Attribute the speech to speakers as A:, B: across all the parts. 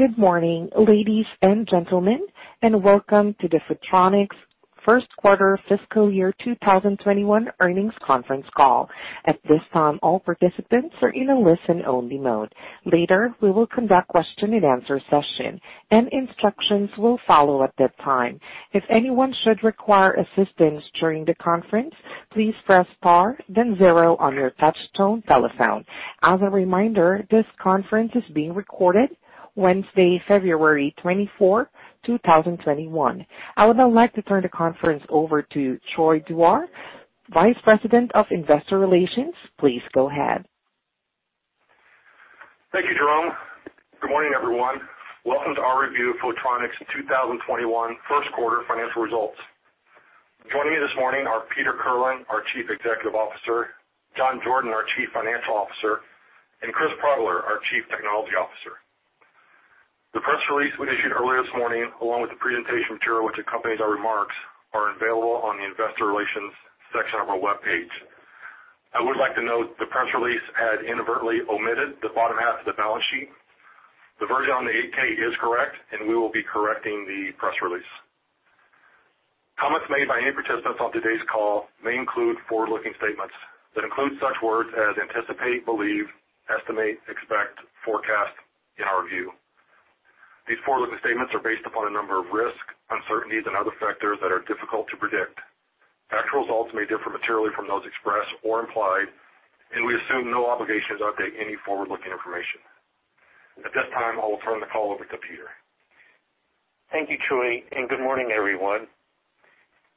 A: Good morning, ladies and gentlemen, and welcome to the Photronics Q1 fiscal year 2021 earnings conference call. At this time, all participants are in a listen-only mode. Later, we will conduct question and answer session, and instructions will follow at that time. I would now like to turn the conference over to Troy Dewar, Vice President of Investor Relations. Please go ahead.
B: Thank you, Jerome. Good morning, everyone. Welcome to our review of Photronics' 2021 Q1 financial results. Joining me this morning are Peter Kirlin, our Chief Executive Officer, John Jordan, our Chief Financial Officer, and Chris Progler, our Chief Technology Officer. The press release we issued earlier this morning, along with the presentation material which accompanies our remarks, are available on the investor relations section of our webpage. I would like to note the press release had inadvertently omitted the bottom half of the balance sheet. The version on the 8-K is correct. We will be correcting the press release. Comments made by any participants on today's call may include forward-looking statements that include such words as "anticipate," "believe," "estimate," "expect," "forecast," "in our view." These forward-looking statements are based upon a number of risks, uncertainties, and other factors that are difficult to predict. Actual results may differ materially from those expressed or implied, and we assume no obligation to update any forward-looking information. At this time, I will turn the call over to Peter.
C: Thank you, Troy, and good morning, everyone.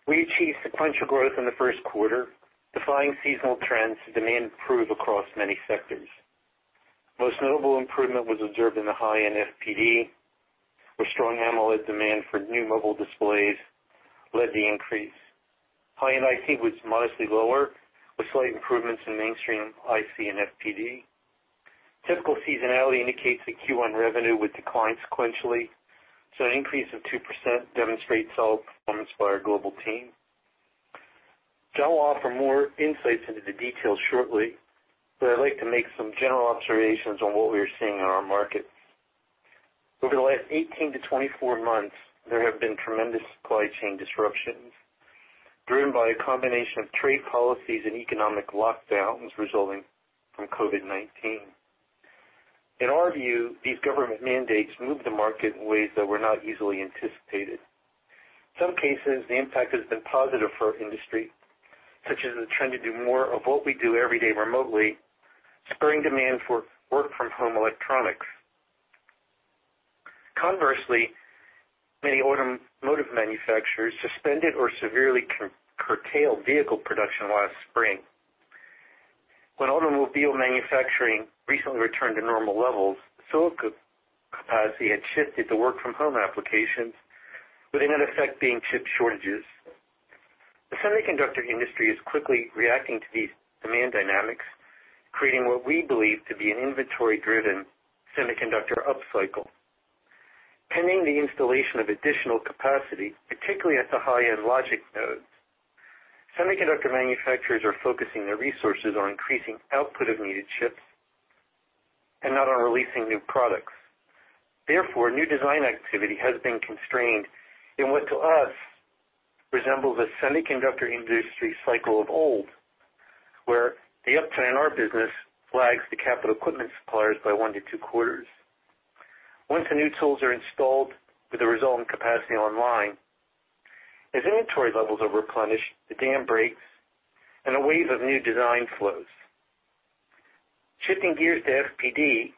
C: We achieved sequential growth in the Q1, defying seasonal trends as demand improved across many sectors. Most notable improvement was observed in the high-end FPD, where strong AMOLED demand for new mobile displays led the increase. High-end IC was modestly lower, with slight improvements in mainstream IC and FPD. Typical seasonality indicates that Q1 revenue would decline sequentially, so an increase of 2% demonstrates solid performance by our global team. John will offer more insights into the details shortly, but I'd like to make some general observations on what we are seeing in our markets. Over the last 18-24 months, there have been tremendous supply chain disruptions driven by a combination of trade policies and economic lockdowns resulting from COVID-19. In our view, these government mandates moved the market in ways that were not easily anticipated. Some cases, the impact has been positive for our industry, such as the trend to do more of what we do every day remotely, spurring demand for work from home electronics. Conversely, many automotive manufacturers suspended or severely curtailed vehicle production last spring. When automobile manufacturing recently returned to normal levels, silicon capacity had shifted to work from home applications, with a net effect being chip shortages. The semiconductor industry is quickly reacting to these demand dynamics, creating what we believe to be an inventory-driven semiconductor upcycle. Pending the installation of additional capacity, particularly at the high-end logic nodes, semiconductor manufacturers are focusing their resources on increasing output of needed chips and not on releasing new products. Therefore, new design activity has been constrained in what, to us, resembles a semiconductor industry cycle of old, where the upturn in our business lags the capital equipment suppliers by one to two quarters. Once the new tools are installed with the resulting capacity online, as inventory levels are replenished, the dam breaks, and a wave of new design flows. Shifting gears to FPD,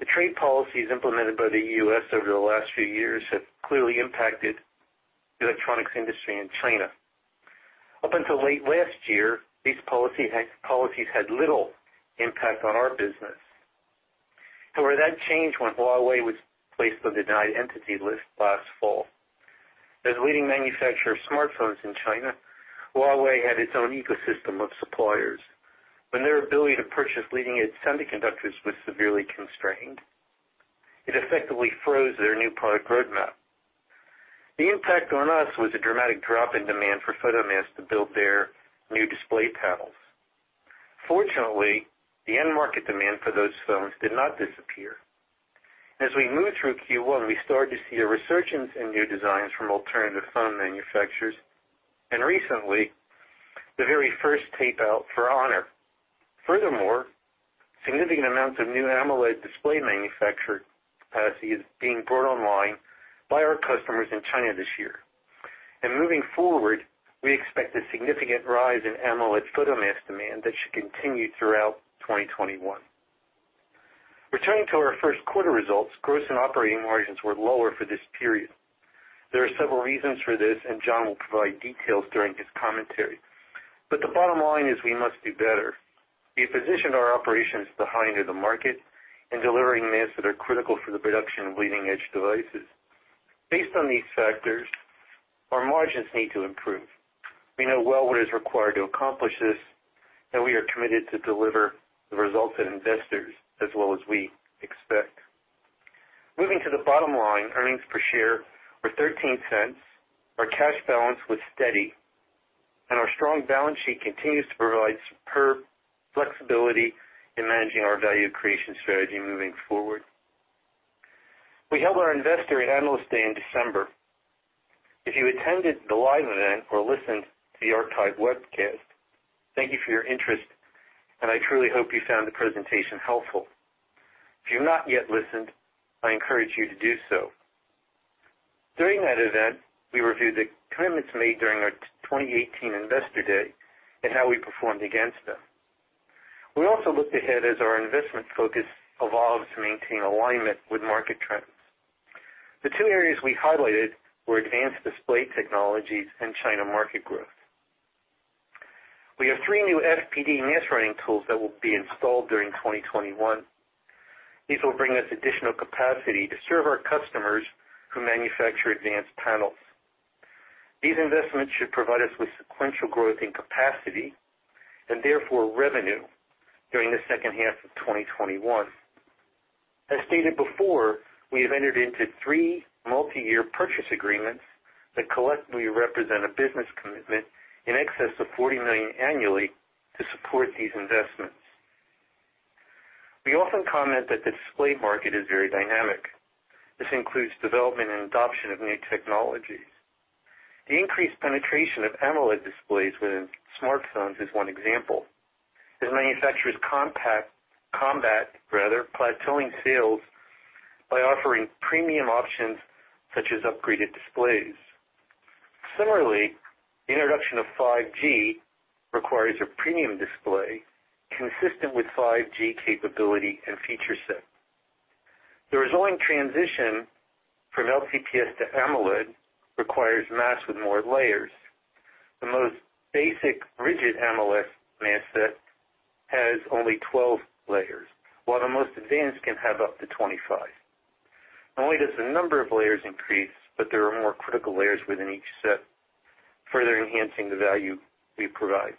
C: the trade policies implemented by the U.S. over the last few years have clearly impacted the electronics industry in China. Up until late last year, these policies had little impact on our business. However, that changed when Huawei was placed on the denied Entity List last fall. As a leading manufacturer of smartphones in China, Huawei had its own ecosystem of suppliers. When their ability to purchase leading-edge semiconductors was severely constrained, it effectively froze their new product roadmap. The impact on us was a dramatic drop in demand for photomasks to build their new display panels. Fortunately, the end market demand for those phones did not disappear. As we moved through Q1, we started to see a resurgence in new designs from alternative phone manufacturers, recently, the very first tape-out for Honor. Furthermore, significant amounts of new AMOLED display manufacture capacity is being brought online by our customers in China this year. Moving forward, we expect a significant rise in AMOLED photomask demand that should continue throughout 2021. Returning to our Q1 results, gross and operating margins were lower for this period. There are several reasons for this, John will provide details during his commentary. The bottom line is we must do better. We positioned our operations behind the market in delivering masks that are critical for the production of leading-edge devices. Based on these factors, our margins need to improve. We know well what is required to accomplish this, and we are committed to deliver the results that investors as well as we expect. Moving to the bottom line, earnings per share were $0.13. Our cash balance was steady. Our strong balance sheet continues to provide superb flexibility in managing our value creation strategy moving forward. We held our Investor and Analyst Day in December. If you attended the live event or listened to the archived webcast, thank you for your interest, and I truly hope you found the presentation helpful. If you've not yet listened, I encourage you to do so. During that event, we reviewed the commitments made during our 2018 Investor Day and how we performed against them. We also looked ahead as our investment focus evolved to maintain alignment with market trends. The two areas we highlighted were advanced display technologies and China market growth. We have three new FPD mask writing tools that will be installed during 2021. These will bring us additional capacity to serve our customers who manufacture advanced panels. These investments should provide us with sequential growth in capacity, and therefore revenue, during the H2 of 2021. As stated before, we have entered into three multi-year purchase agreements that collectively represent a business commitment in excess of $40 million annually to support these investments. We often comment that the display market is very dynamic. This includes development and adoption of new technologies. The increased penetration of AMOLED displays within smartphones is one example, as manufacturers combat plateauing sales by offering premium options such as upgraded displays. Similarly, the introduction of 5G requires a premium display consistent with 5G capability and feature set. The resulting transition from LTPS to AMOLED requires masks with more layers. The most basic rigid AMOLED mask set has only 12 layers, while the most advanced can have up to 25. Not only does the number of layers increase, but there are more critical layers within each set, further enhancing the value we provide.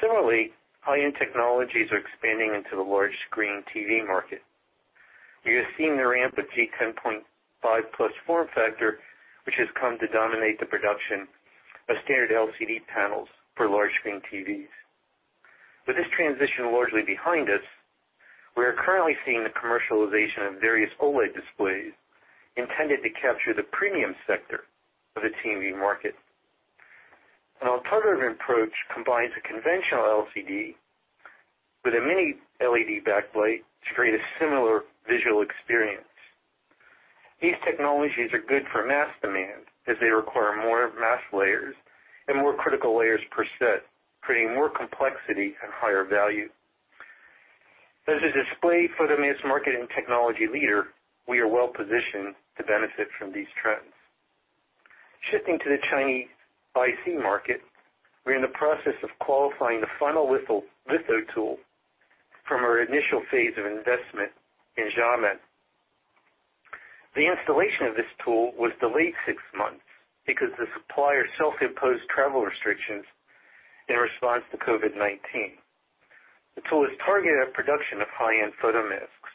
C: Similarly, high-end technologies are expanding into the large-screen TV market. We have seen the ramp of G10.5+ form factor, which has come to dominate the production of standard LCD panels for large-screen TVs. With this transition largely behind us, we are currently seeing the commercialization of various OLED displays intended to capture the premium sector of the TV market. An alternative approach combines a conventional LCD with a mini-LED backlight to create a similar visual experience. These technologies are good for mask demand, as they require more mask layers and more critical layers per set, creating more complexity and higher value. As a display photomask marketing technology leader, we are well positioned to benefit from these trends. Shifting to the Chinese IC market, we're in the process of qualifying the final litho tool from our initial phase of investment in Xiamen. The installation of this tool was delayed six months because the supplier self-imposed travel restrictions in response to COVID-19. The tool is targeted at production of high-end photomasks.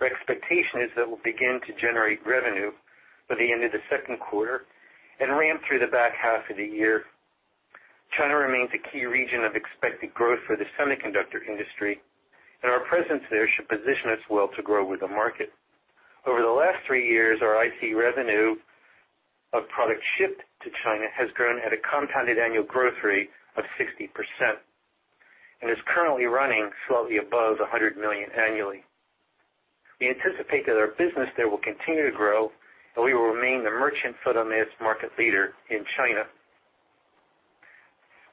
C: Our expectation is that we'll begin to generate revenue by the end of the Q2 and ramp through the back half of the year. China remains a key region of expected growth for the semiconductor industry, and our presence there should position us well to grow with the market. Over the last three years, our IC revenue of products shipped to China has grown at a compounded annual growth rate of 60% and is currently running slightly above $100 million annually. We anticipate that our business there will continue to grow, and we will remain the merchant photomask market leader in China.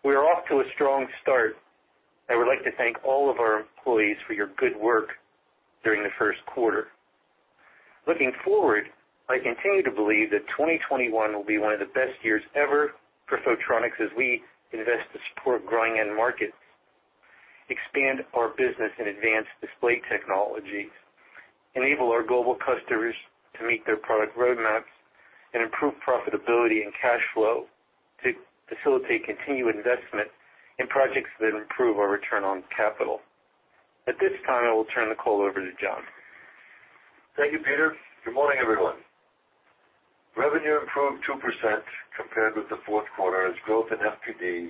C: We are off to a strong start. I would like to thank all of our employees for your good work during the Q1. Looking forward, I continue to believe that 2021 will be one of the best years ever for Photronics as we invest to support growing end markets, expand our business in advanced display technologies, enable our global customers to meet their product roadmaps, and improve profitability and cash flow to facilitate continued investment in projects that improve our return on capital. At this time, I will turn the call over to John.
D: Thank you, Peter. Good morning, everyone. Revenue improved 2% compared with the Q4 as growth in FPD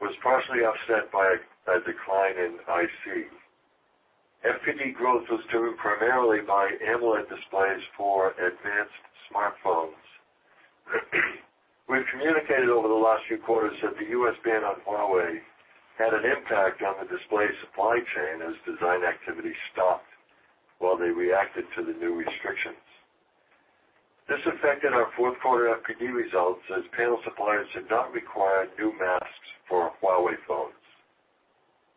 D: was partially offset by a decline in IC. FPD growth was driven primarily by AMOLED displays for advanced smartphones. We've communicated over the last few quarters that the U.S. ban on Huawei had an impact on the display supply chain as design activity stopped while they reacted to the new restrictions. This affected our Q4 FPD results, as panel suppliers did not require new masks for Huawei phones.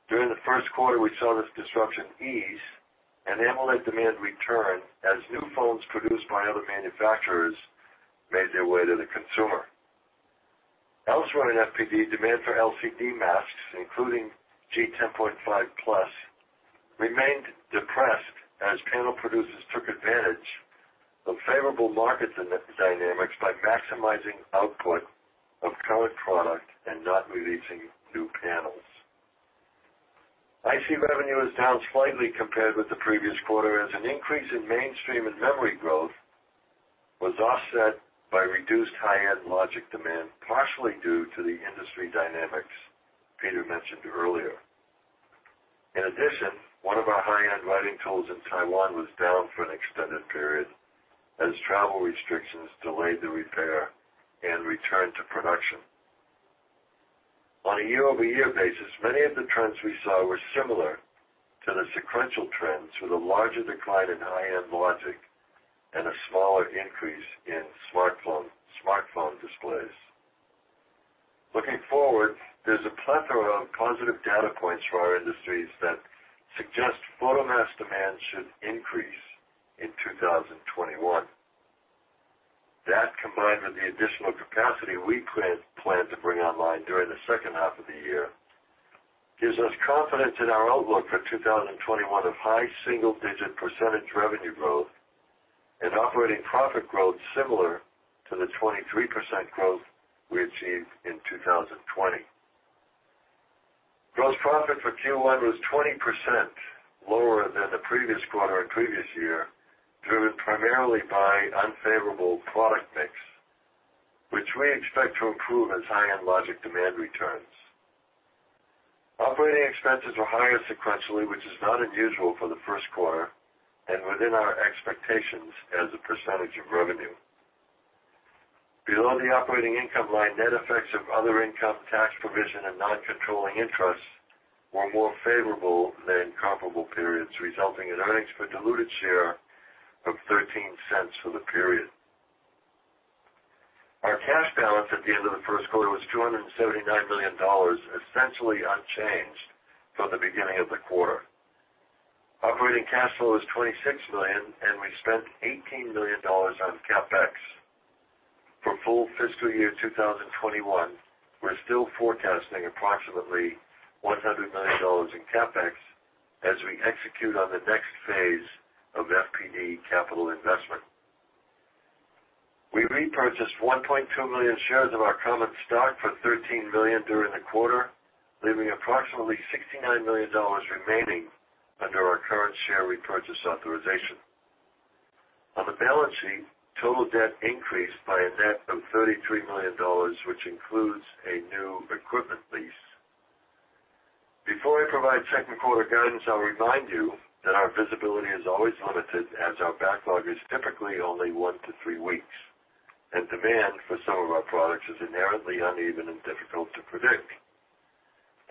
D: During the Q1, we saw this disruption ease and AMOLED demand return as new phones produced by other manufacturers made their way to the consumer. Running FPD demand for LCD masks, including G10.5+, remained depressed as panel producers took advantage of favorable market dynamics by maximizing output of current product and not releasing new panels. IC revenue is down slightly compared with the previous quarter, as an increase in mainstream and memory growth was offset by reduced high-end logic demand, partially due to the industry dynamics Peter mentioned earlier. In addition, one of our high-end writing tools in Taiwan was down for an extended period as travel restrictions delayed the repair and return to production. On a year-over-year basis, many of the trends we saw were similar to the sequential trends, with a larger decline in high-end logic and a smaller increase in smartphone displays. Looking forward, there's a plethora of positive data points for our industries that suggest photomask demand should increase in 2021. That, combined with the additional capacity we plan to bring online during the H2 of the year, gives us confidence in our outlook for 2021 of high single-digit percentage revenue growth and operating profit growth similar to the 23% growth we achieved in 2020. Gross profit for Q1 was 20% lower than the previous quarter and previous year, driven primarily by unfavorable product mix, which we expect to improve as high-end logic demand returns. Operating expenses were higher sequentially, which is not unusual for the Q1, and within our expectations as a percentage of revenue. Below the operating income line, net effects of other income, tax provision, and non-controlling interests were more favorable than comparable periods, resulting in earnings per diluted share of $0.13 for the period. Our cash balance at the end of the Q1 was $279 million, essentially unchanged from the beginning of the quarter. Operating cash flow was $26 million, and we spent $18 million on CapEx. For full fiscal year 2021, we're still forecasting approximately $100 million in CapEx as we execute on the next phase of FPD capital investment. We repurchased 1.2 million shares of our common stock for $13 million during the quarter, leaving approximately $69 million remaining under our current share repurchase authorization. On the balance sheet, total debt increased by a net of $33 million, which includes a new equipment lease. Before I provide Q2 guidance, I'll remind you that our visibility is always limited, as our backlog is typically only one to three weeks, and demand for some of our products is inherently uneven and difficult to predict.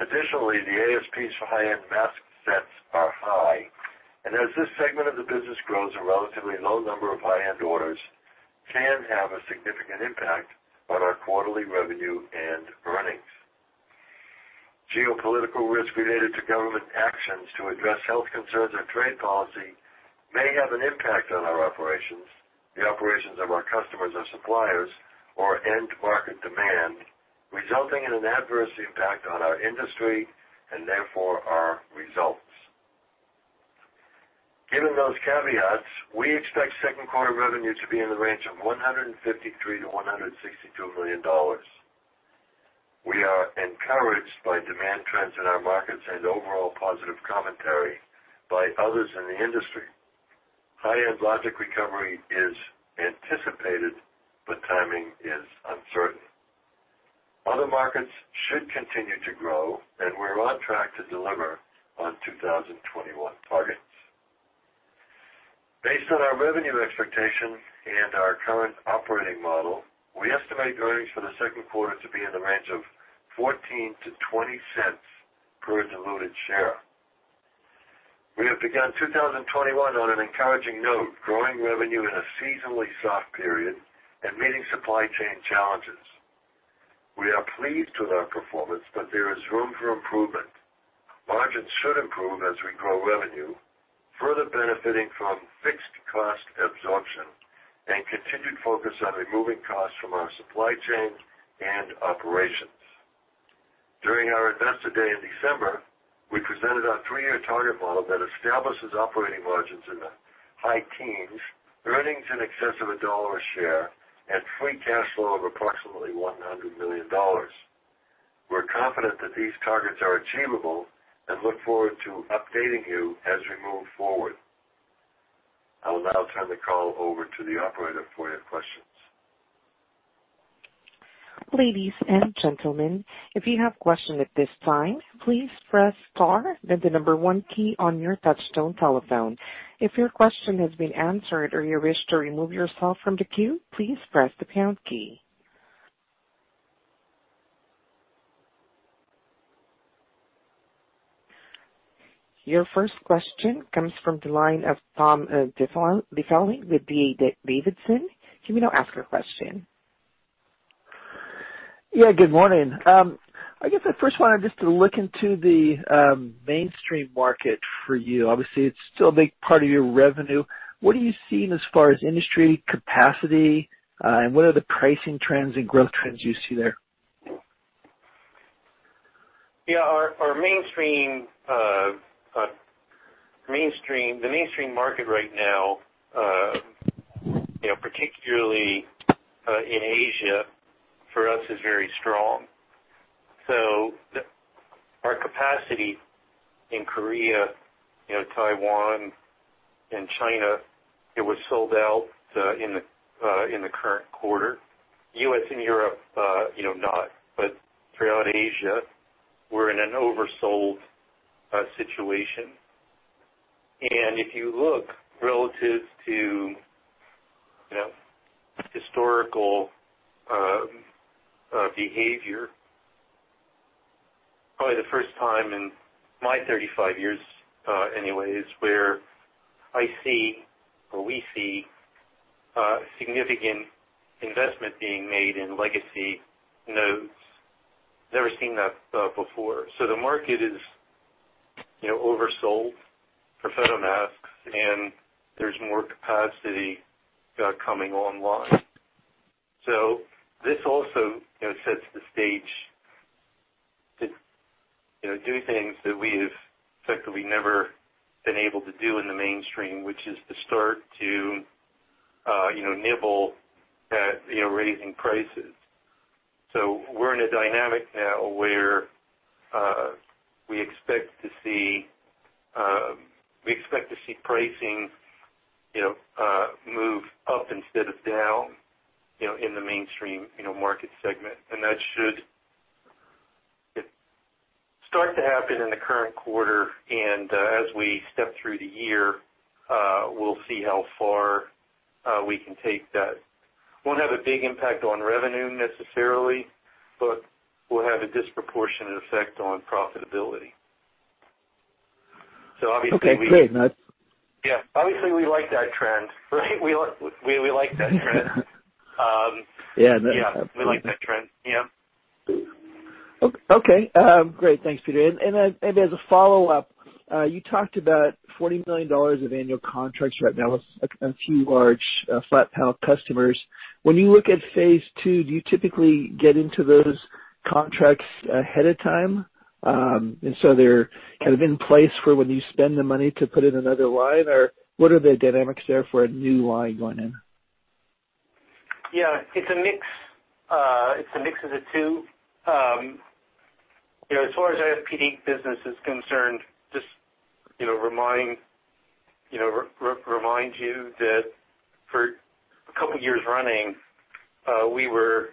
D: Additionally, the ASPs for high-end mask sets are high, and as this segment of the business grows, a relatively low number of high-end orders can have a significant impact on our quarterly revenue and earnings. Geopolitical risk related to government actions to address health concerns or trade policy may have an impact on our operations, the operations of our customers or suppliers, or end market demand, resulting in an adverse impact on our industry, and therefore, our results. Given those caveats, we expect Q2 revenue to be in the range of $153 million-$162 million. We are encouraged by demand trends in our markets and overall positive commentary by others in the industry. High-end logic recovery is anticipated, but timing is uncertain. Other markets should continue to grow, and we're on track to deliver on 2021 targets. Based on our revenue expectation and our current operating model, we estimate earnings for the Q2 to be in the range of $0.14-$0.20 per diluted share. We have begun 2021 on an encouraging note, growing revenue in a seasonally soft period and meeting supply chain challenges. We are pleased with our performance, but there is room for improvement. Margins should improve as we grow revenue, further benefiting from fixed cost absorption and continued focus on removing costs from our supply chain and operations. During our investor day in December, we presented our three-year target model that establishes operating margins in the high teens, earnings in excess of $1 a share, and free cash flow of approximately $100 million. We're confident that these targets are achievable and look forward to updating you as we move forward. I will now turn the call over to the operator for your questions.
A: Your first question comes from the line of Tom Diffely with D.A. Davidson. You may now ask your question.
E: Yeah, good morning. I guess I first wanted just to look into the mainstream market for you. Obviously, it's still a big part of your revenue. What are you seeing as far as industry capacity, and what are the pricing trends and growth trends you see there?
C: Yeah. The mainstream market right now. In Asia, for us, is very strong. Our capacity in Korea, Taiwan, and China, it was sold out in the current quarter. U.S. and Europe, not. Throughout Asia, we're in an oversold situation. If you look relative to historical behavior, probably the first time in my 35 years, anyways, where I see, or we see, significant investment being made in legacy nodes. Never seen that before. The market is oversold for photomasks, and there's more capacity coming online. This also sets the stage to do things that we have effectively never been able to do in the mainstream, which is to start to nibble at raising prices. We're in a dynamic now where we expect to see pricing move up instead of down in the mainstream market segment. That should start to happen in the current quarter, and as we step through the year, we'll see how far we can take that. Won't have a big impact on revenue necessarily, but will have a disproportionate effect on profitability.
E: Okay, great.
C: Yeah. Obviously, we like that trend, right? We like that trend.
E: Yeah.
C: Yeah, we like that trend. Yeah.
E: Okay, great. Thanks, Peter. As a follow-up, you talked about $40 million of annual contracts right now with a few large flat panel customers. When you look at phase II, do you typically get into those contracts ahead of time, and so they're kind of in place for when you spend the money to put in another line? What are the dynamics there for a new line going in?
C: Yeah, it's a mix of the two. As far as FPD business is concerned, just remind you that for a couple of years running, we were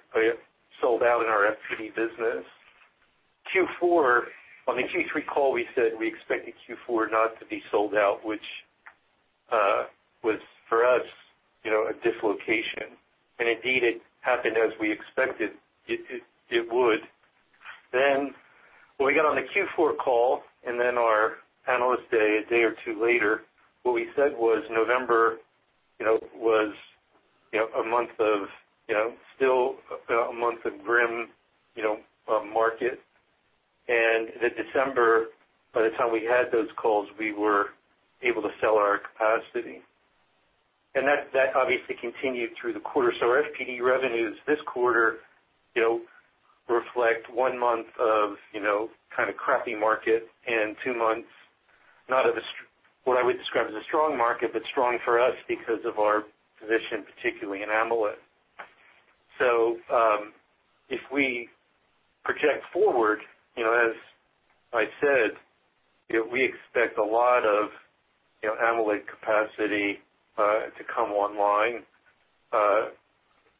C: sold out in our FPD business. On the Q3 call, we said we expected Q4 not to be sold out, which was, for us, a dislocation. Indeed, it happened as we expected it would. When we got on the Q4 call and then our analyst day a day or two later, what we said was November was still a month of grim market, and that December, by the time we had those calls, we were able to sell our capacity. That obviously continued through the quarter. Our FPD revenues this quarter reflect one month of kind of crappy market and two months, not of what I would describe as a strong market, but strong for us because of our position, particularly in AMOLED. If we project forward, as I said, we expect a lot of AMOLED capacity to come online,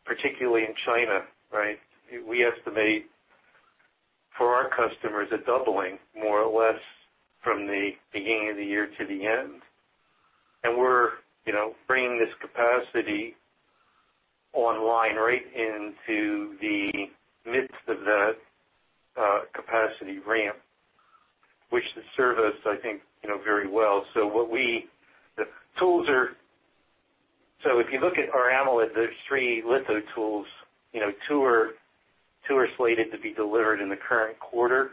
C: particularly in China, right? We estimate for our customers a doubling, more or less, from the beginning of the year to the end. We're bringing this capacity online right into the midst of that capacity ramp, which should serve us, I think, very well. If you look at our AMOLED, those three litho tools, two are slated to be delivered in the current quarter.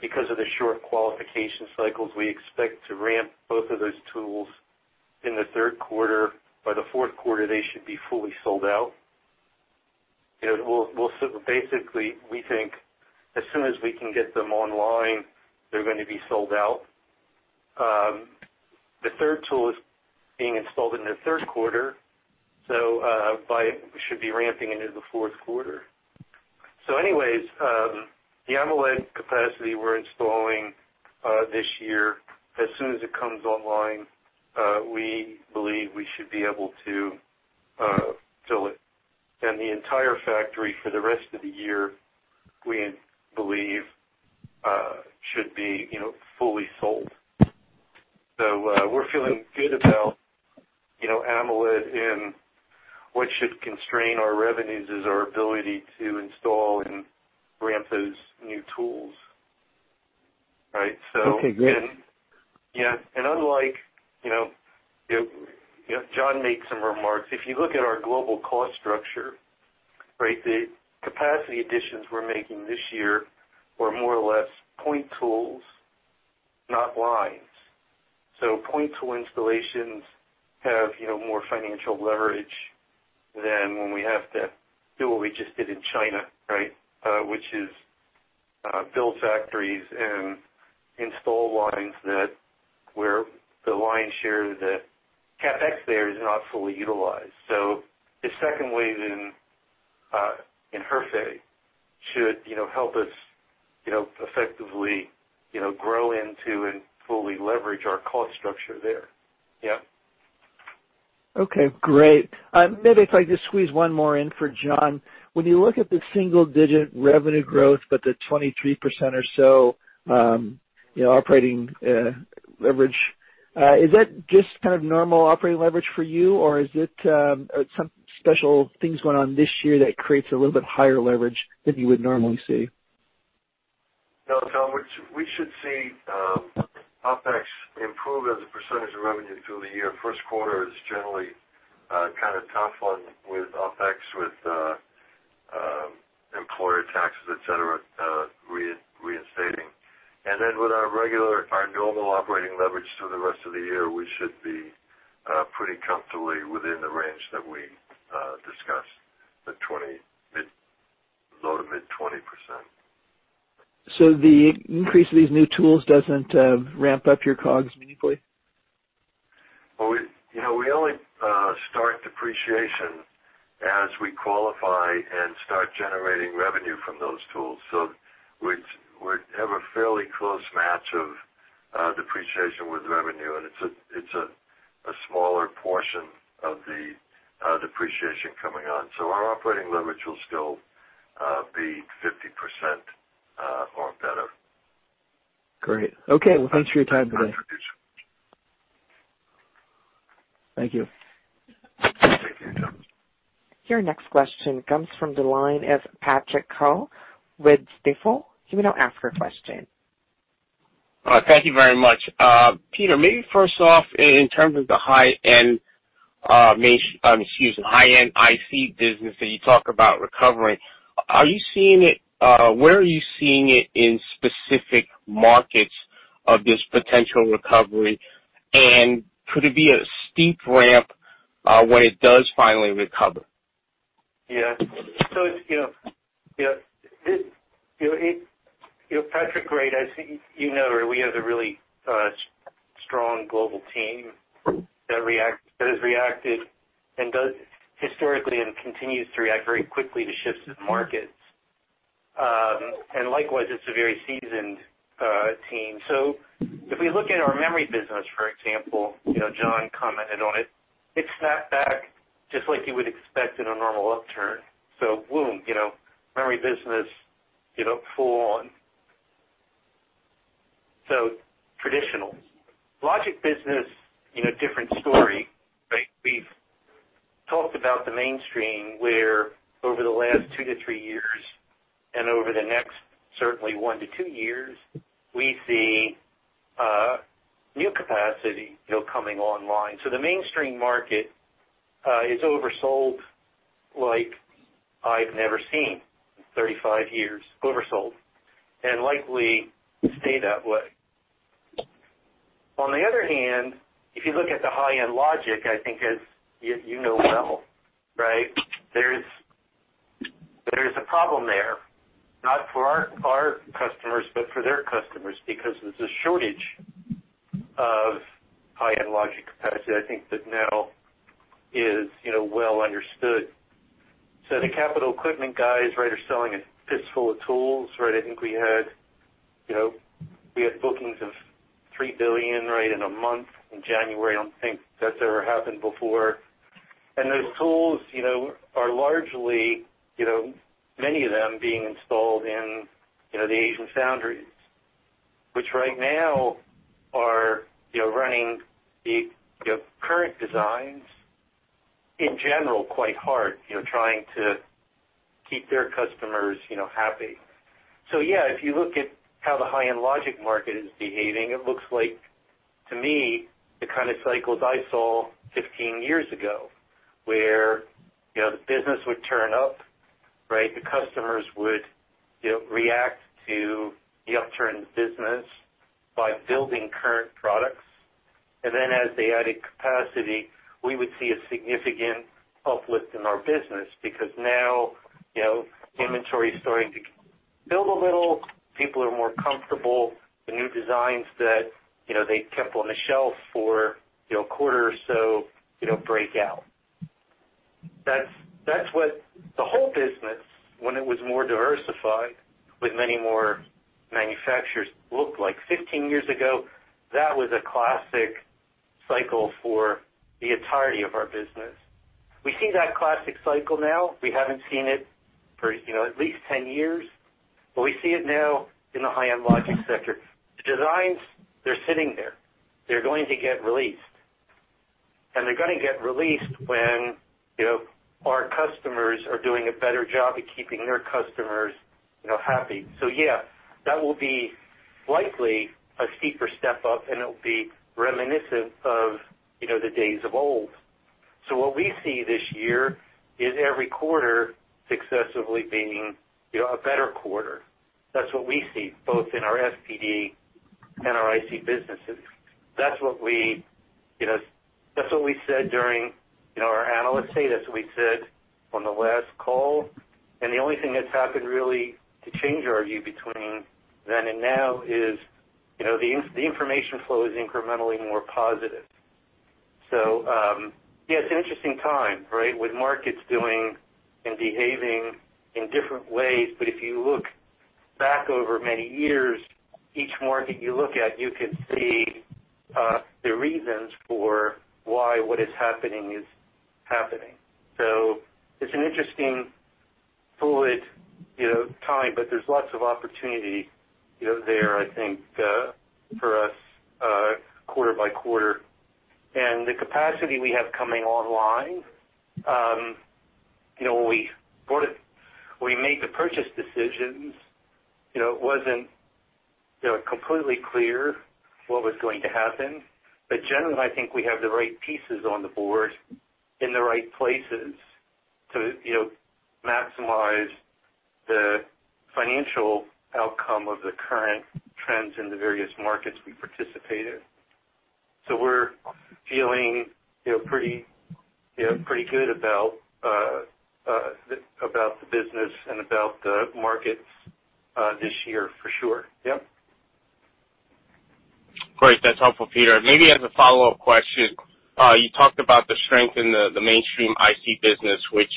C: Because of the short qualification cycles, we expect to ramp both of those tools in the Q3. By the Q4, they should be fully sold out. Basically, we think as soon as we can get them online, they're going to be sold out. The third tool is being installed in the Q3, we should be ramping into the Q4. Anyways, the AMOLED capacity we're installing this year, as soon as it comes online, we believe we should be able to fill it. The entire factory for the rest of the year, we believe, should be fully sold. We're feeling good about AMOLED, and what should constrain our revenues is our ability to install and ramp those new tools. Right?
E: Okay, great.
C: Yeah. John made some remarks. If you look at our global cost structure, the capacity additions we're making this year are more or less point tools, not lines. Point tool installations have more financial leverage than when we have to do what we just did in China, Build factories and install lines where the lion's share of the CapEx there is not fully utilized. The second wave in Hefei should help us effectively grow into and fully leverage our cost structure there. Yeah.
E: Okay, great. Maybe if I could just squeeze one more in for John. When you look at the single-digit revenue growth, but the 23% or so operating leverage, is that just kind of normal operating leverage for you, or are some special things going on this year that creates a little bit higher leverage than you would normally see?
D: No, Tom, we should see OpEx improve as a percentage of revenue through the year. Q1 is generally kind of tough on with OpEx, with employer taxes, et cetera, reinstating. Then with our normal operating leverage through the rest of the year, we should be pretty comfortably within the range that we discussed, the low to mid 20%.
E: The increase of these new tools doesn't ramp up your COGS meaningfully?
D: We only start depreciation as we qualify and start generating revenue from those tools. We have a fairly close match of depreciation with revenue, and it's a smaller portion of the depreciation coming on. Our operating leverage will still be 50% or better.
E: Great. Okay. Well, thanks for your time today.
C: Thank you.
E: Thank you.
A: Your next question comes from the line of Patrick Ho with Stifel.
F: Thank you very much. Peter, maybe first off, in terms of the high-end IC business that you talk about recovering, where are you seeing it in specific markets of this potential recovery, and could it be a steep ramp when it does finally recover?
C: Yeah. Patrick, great. As you know, we have a really strong global team that has reacted historically and continues to react very quickly to shifts in markets. Likewise, it's a very seasoned team. If we look at our memory business, for example, John commented on it. It snapped back just like you would expect in a normal upturn. Boom, memory business full on. Traditional. Logic business, different story, right? We've talked about the mainstream where over the last two to three years and over the next certainly one to two years, we see new capacity coming online. The mainstream market is oversold like I've never seen in 35 years. Oversold and likely stay that way. On the other hand, if you look at the high-end logic, I think as you know well, right, there's a problem there, not for our customers, but for their customers, because there's a shortage of high-end logic capacity, I think that now is well understood. The capital equipment guys, right, are selling a fistful of tools, right? I think we had bookings of $3 billion, right, in a month in January. I don't think that's ever happened before. Those tools, many of them being installed in the Asian foundries, which right now are running the current designs in general quite hard, trying to keep their customers happy. Yeah, if you look at how the high-end logic market is behaving, it looks like to me the kind of cycles I saw 15 years ago, where the business would turn up, right? The customers would react to the upturn in business by building current products. As they added capacity, we would see a significant uplift in our business because now inventory is starting to build a little. People are more comfortable. The new designs that they kept on the shelf for a quarter or so break out. That's what the whole business, when it was more diversified with many more manufacturers, looked like 15 years ago. That was a classic cycle for the entirety of our business. We see that classic cycle now. We haven't seen it for at least 10 years, but we see it now in the high-end logic sector. The designs, they're sitting there. They're going to get released, and they're going to get released when our customers are doing a better job at keeping their customers happy. Yeah, that will be likely a steeper step-up, and it'll be reminiscent of the days of old. What we see this year is every quarter successively being a better quarter. That's what we see both in our FPD and our IC businesses. That's what we said during our analyst status, we said on the last call, and the only thing that's happened really to change our view between then and now is the information flow is incrementally more positive. Yeah, it's an interesting time, right. With markets doing and behaving in different ways. If you look back over many years, each market you look at, you can see the reasons for why what is happening is happening. It's an interesting fluid time, but there's lots of opportunity there, I think for us, quarter by quarter, and the capacity we have coming online. When we made the purchase decisions, it wasn't completely clear what was going to happen. Generally, I think we have the right pieces on the board in the right places to maximize the financial outcome of the current trends in the various markets we participate in. We're feeling pretty good about the business and about the markets this year, for sure. Yep.
F: Great. That's helpful, Peter. As a follow-up question, you talked about the strength in the mainstream IC business, which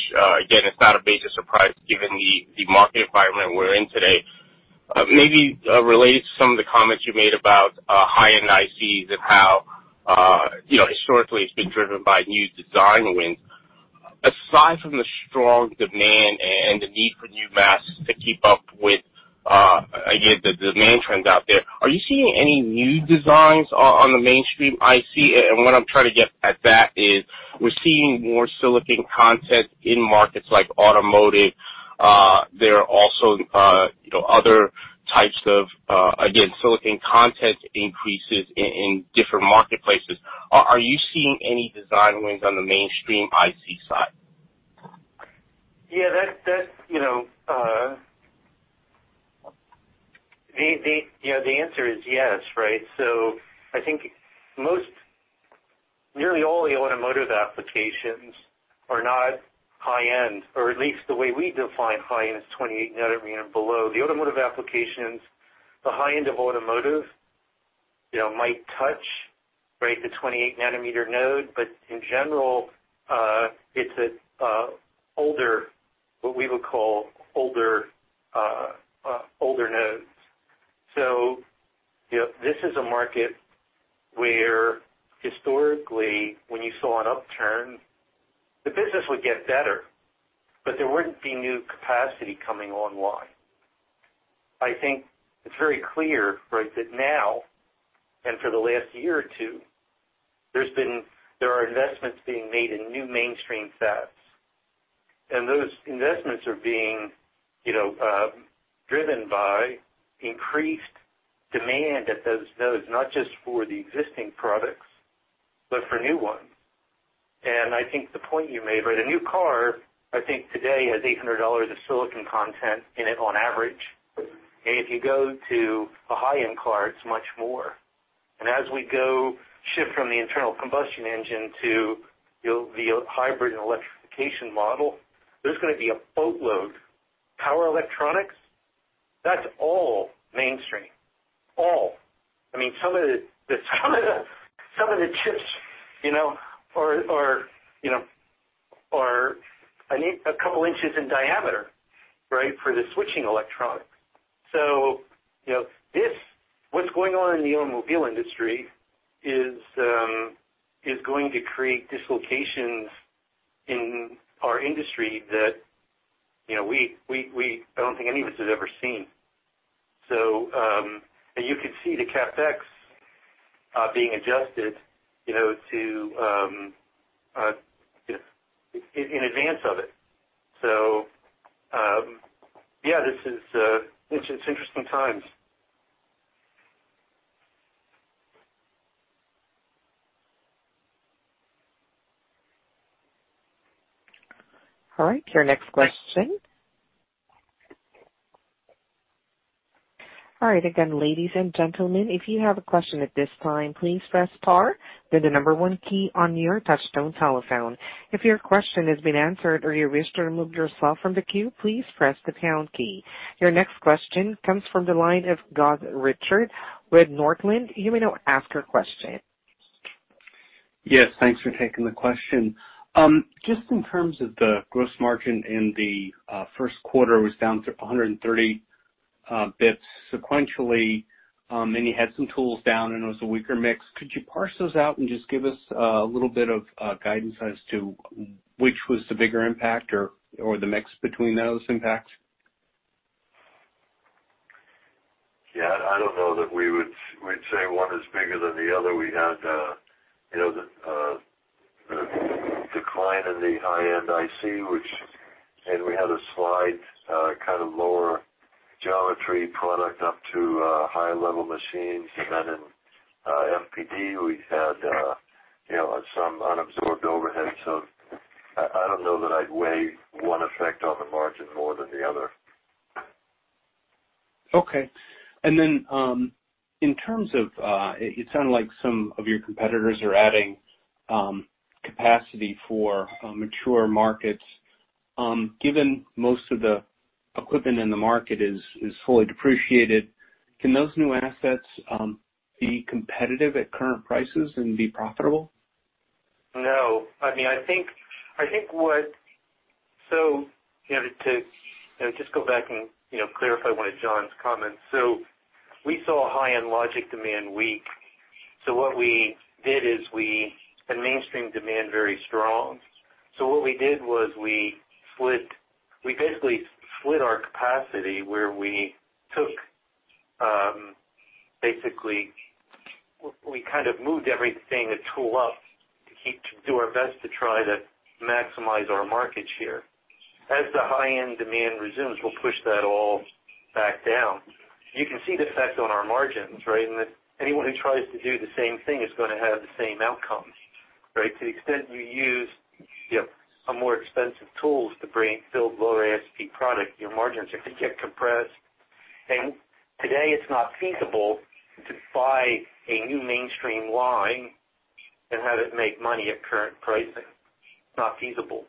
F: again, is not a major surprise given the market environment we're in today. Related to some of the comments you made about high-end ICs and how historically it's been driven by new design wins. Aside from the strong demand and the need for new masks to keep up with, again, the demand trends out there, are you seeing any new designs on the mainstream IC? What I'm trying to get at that is we're seeing more silicon content in markets like automotive. There are also other types of, again, silicon content increases in different marketplaces. Are you seeing any design wins on the mainstream IC side?
C: The answer is yes, right? I think nearly all the automotive applications are not high-end, or at least the way we define high-end is 28 nanometer and below. The automotive applications, the high end of automotive might touch the 28 nanometer node, but in general, it's what we would call older nodes. This is a market where historically when you saw an upturn, the business would get better, but there wouldn't be new capacity coming online. I think it's very clear that now, and for the last year or two, there are investments being made in new mainstream fabs, and those investments are being driven by increased demand at those nodes, not just for the existing products, but for new ones. I think the point you made, right? A new car, I think today has $800 of silicon content in it on average. If you go to a high-end car, it's much more. As we go shift from the internal combustion engine to the hybrid and electrification model, there's going to be a boatload. Power electronics, that's all mainstream. All. I mean, some of the chips are a couple inches in diameter for the switching electronics. What's going on in the automobile industry is going to create dislocations in our industry that I don't think any of us has ever seen. You could see the CapEx being adjusted in advance of it. Yeah, it's interesting times.
A: All right, your next question. All right, again, ladies and gentlemen, if you have a question at this time, please press star, then the number one key on your touchtone telephone. If your question has been answered or you wish to remove yourself from the queue, please press the pound key. Your next question comes from the line of Gus Richard with Northland. You may now ask your question.
G: Yes, thanks for taking the question. Just in terms of the gross margin in the Q1 was down to 130 basis points sequentially, and you had some tools down, and it was a weaker mix. Could you parse those out and just give us a little bit of guidance as to which was the bigger impact or the mix between those impacts?
D: Yeah, I don't know that we'd say one is bigger than the other. We had the decline in the high-end IC, and we had a slight kind of lower geometry product up to higher level machines, and FPD, we had some unabsorbed overhead. I don't know that I'd weigh one effect on the margin more than the other.
G: Okay. It sound like some of your competitors are adding capacity for mature markets. Given most of the equipment in the market is fully depreciated, can those new assets be competitive at current prices and be profitable?
C: To just go back and clarify one of John's comments. We saw high-end logic demand weak, and mainstream demand very strong. What we did was we basically split our capacity where we kind of moved everything a tool up to do our best to try to maximize our market share. As the high-end demand resumes, we'll push that all back down. You can see the effect on our margins, right? Anyone who tries to do the same thing is going to have the same outcome, right? To the extent you use some more expensive tools to build lower ASP product, your margins are going to get compressed. Today it's not feasible to buy a new mainstream line and have it make money at current pricing. It's not feasible.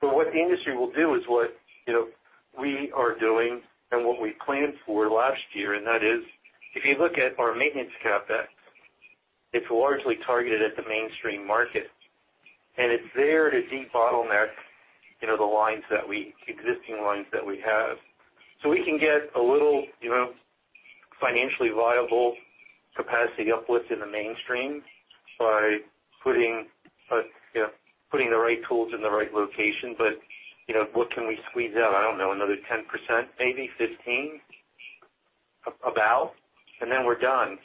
C: What the industry will do is what we are doing and what we planned for last year, that is, if you look at our maintenance CapEx, it's largely targeted at the mainstream market, and it's there to de-bottleneck the existing lines that we have. We can get a little financially viable capacity uplift in the mainstream by putting the right tools in the right location. What can we squeeze out? I don't know, another 10%, maybe 15% about, and then we're done.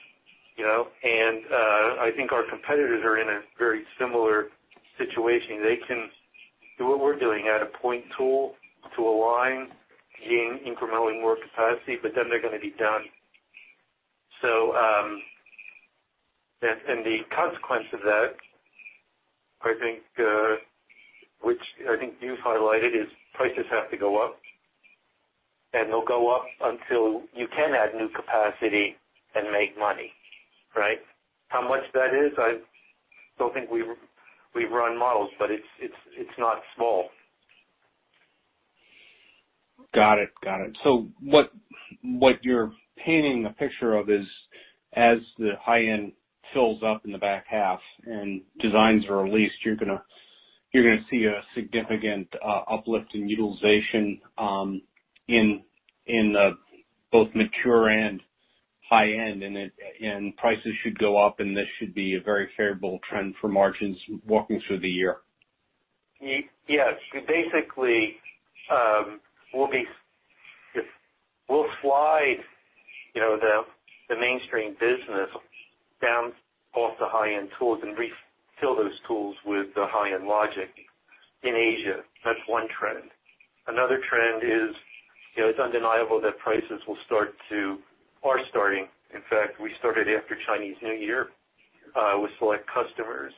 C: I think our competitors are in a very similar situation. They can do what we're doing, add a point tool to a line to gain incrementally more capacity, but then they're going to be done. The consequence of that, which I think you've highlighted, is prices have to go up, and they'll go up until you can add new capacity and make money. Right? How much that is, I don't think we run models, but it's not small.
G: Got it. What you're painting a picture of is as the high end fills up in the back half and designs are released, you're going to see a significant uplift in utilization in both mature and high end, and prices should go up, and this should be a very favorable trend for margins walking through the year.
C: Yes. Basically, we'll slide the mainstream business down off the high-end tools and refill those tools with the high-end logic in Asia. That's one trend. Another trend is it's undeniable that prices are starting. In fact, we started after Chinese New Year with select customers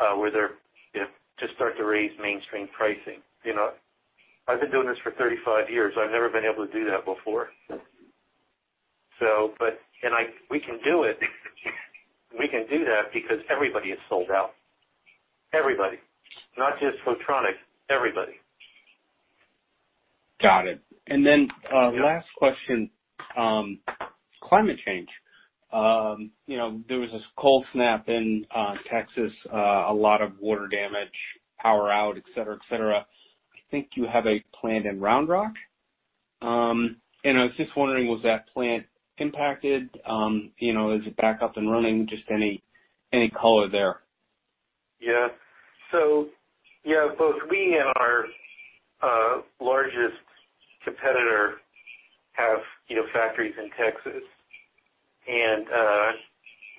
C: to start to raise mainstream pricing. I've been doing this for 35 years. I've never been able to do that before. We can do that because everybody is sold out. Everybody. Not just Photronics, everybody.
G: Got it. Last question. Climate change. There was this cold snap in Texas, a lot of water damage, power out, et cetera. I think you have a plant in Round Rock. I was just wondering, was that plant impacted? Is it back up and running? Just any color there.
C: Yeah. Both we and our largest competitor have factories in Texas, and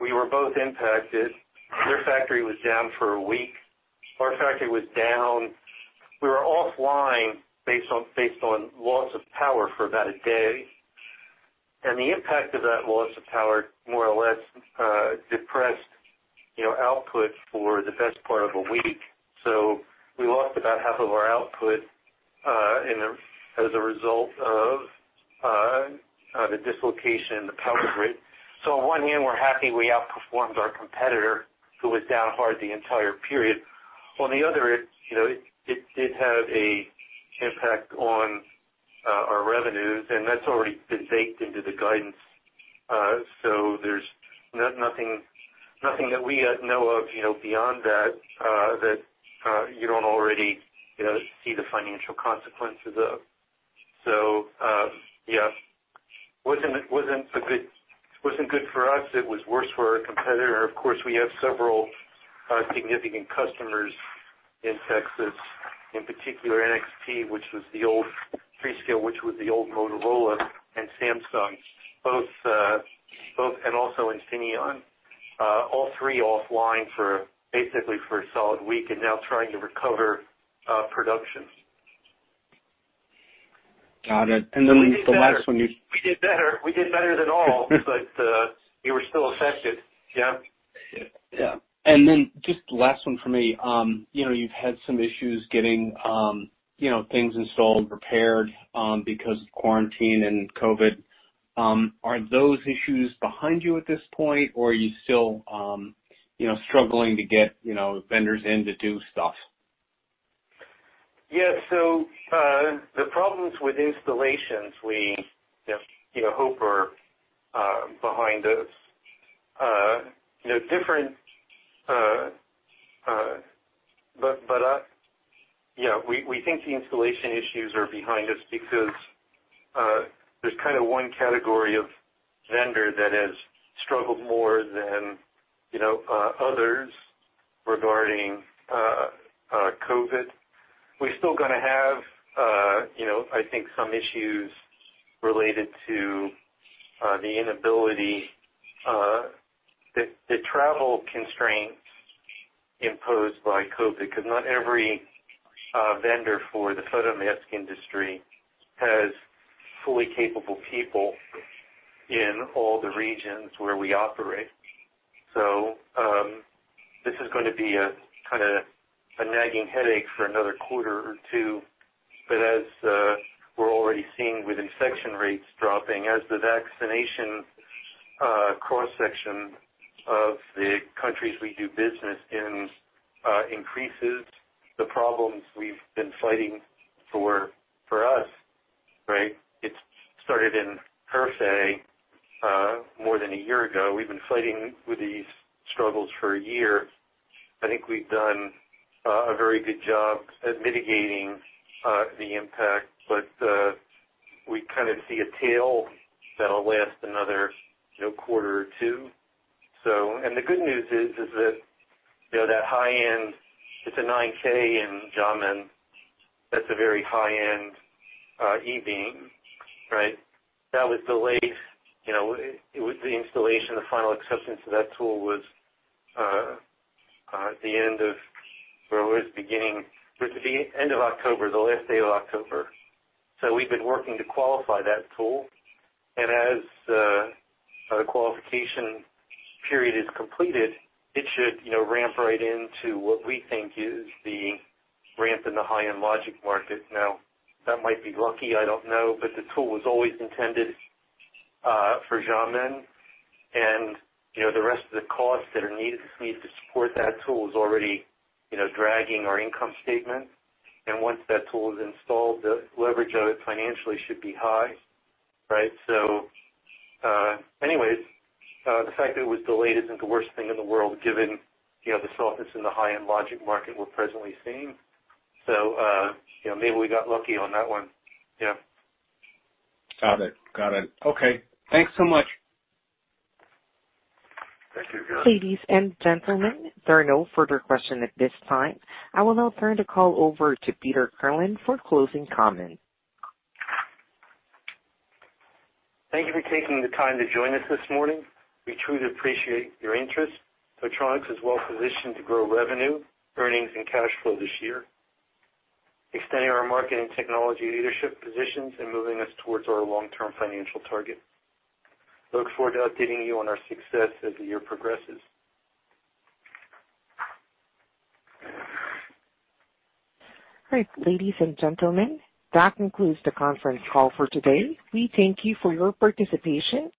C: we were both impacted. Their factory was down for a week. Our factory was down. We were offline based on loss of power for about a day. The impact of that loss of power more or less depressed output for the best part of a week. We lost about half of our output as a result of the dislocation in the power grid. On one hand, we're happy we outperformed our competitor who was down hard the entire period. On the other, it did have a impact on our revenues, and that's already been baked into the guidance. There's nothing that we know of beyond that you don't already see the financial consequences of. Yeah, it wasn't good for us. It was worse for our competitor. Of course, we have several significant customers in Texas, in particular NXP, which was the old Freescale, which was the old Motorola, and Samsung, and also Infineon. All three offline basically for a solid week and now trying to recover production.
G: Got it. The last one.
C: We did better than all, but we were still affected. Yeah.
G: Yeah. Then just last one from me. You've had some issues getting things installed and prepared because of quarantine and COVID. Are those issues behind you at this point, or are you still struggling to get vendors in to do stuff?
C: The problems with installations we hope are behind us. We think the installation issues are behind us because there's kind of one category of vendor that has struggled more than others regarding COVID. We're still going to have I think some issues related to the inability, the travel constraints imposed by COVID, because not every vendor for the photomask industry has fully capable people in all the regions where we operate. This is going to be a kind of a nagging headache for another quarter or two. As we're already seeing with infection rates dropping, as the vaccination cross-section of the countries we do business in increases, the problems we've been fighting for us, it started in more than a year ago. We've been fighting with these struggles for a year. I think we've done a very good job at mitigating the impact. We kind of see a tail that'll last another quarter or two. The good news is that that high end, it's a 9K in Xiamen, that's a very high-end E-beam. That was delayed. The installation, the final acceptance of that tool was at the end of October, the last day of October. We've been working to qualify that tool. As the qualification period is completed, it should ramp right into what we think is the ramp in the high-end logic market. That might be lucky, I don't know, but the tool was always intended for Xiamen, and the rest of the costs that are needed to support that tool is already dragging our income statement. Once that tool is installed, the leverage of it financially should be high. Anyway, the fact that it was delayed isn't the worst thing in the world given the softness in the high-end logic market we're presently seeing. Maybe we got lucky on that one. Yeah.
G: Got it. Okay, thanks so much.
C: Thank you, Gus.
A: Ladies and gentlemen, there are no further questions at this time. I will now turn the call over to Peter Kirlin for closing comments.
C: Thank you for taking the time to join us this morning. We truly appreciate your interest. Photronics is well positioned to grow revenue, earnings, and cash flow this year, extending our market and technology leadership positions and moving us towards our long-term financial target. Look forward to updating you on our success as the year progresses.
A: All right. Ladies and gentlemen, that concludes the conference call for today. We thank you for your participation.